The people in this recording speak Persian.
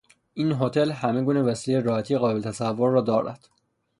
این هتل همه گونه وسیلهی راحتی قابل تصور را دارد.